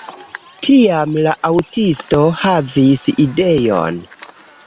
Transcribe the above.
Tiam la aŭtisto havis ideon.